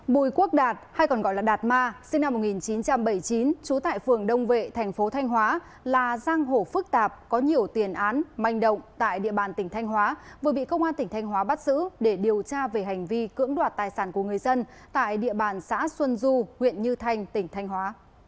bùi quốc đạt hay còn gọi là đạt ma sinh năm một nghìn chín trăm bảy mươi chín trú tại phường đông vệ thành phố thanh hóa là giang hổ phức tạp có nhiều tiền án manh động tại địa bàn tỉnh thanh hóa vừa bị công an tỉnh thanh hóa bắt giữ để điều tra về hành vi cưỡng đoạt tài sản của người dân tại địa bàn xã xuân du huyện như thanh tỉnh thanh hóa